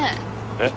えっ？